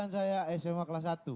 dua ribu sembilan saya sma kelas satu